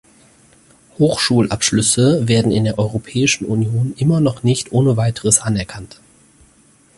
Hochschul-Abschlüsse werden in der Europäischen Union immer noch nicht ohne weiteres anerkannt.